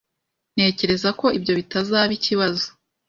Ntekereza ko ibyo bitazaba ikibazo.